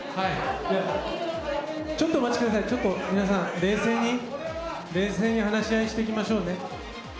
ちょっとお待ちください、ちょっと皆さん、冷静に、冷静に話し合いしていきましょうね。